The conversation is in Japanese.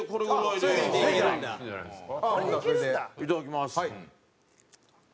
出川：いただきます。